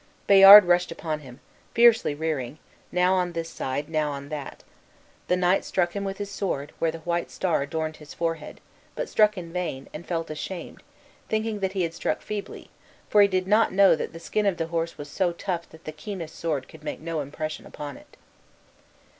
Bayard rushed upon him; fiercely rearing, now on this side, now on that. The knight struck him with his sword, where the white star adorned his forehead, but struck in vain, and felt ashamed, thinking that he had struck feebly, for he did not know that the skin of that horse was so tough that the keenest sword could make no impression upon it.